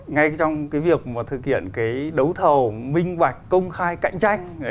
ngay trong cái việc mà thực hiện cái đấu thầu minh bạch công khai cạnh tranh